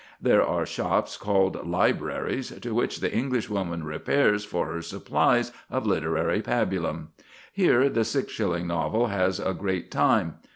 There are shops called "libraries," to which the Englishwoman repairs for her supplies of literary pabulum. Here the six shilling novel has a great time.